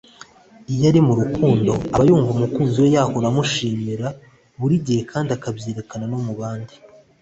Iyo ari mu rukundo aba yumva umukunzi we yahora amushimira buri gihe kandi akabyerekana no mu bandi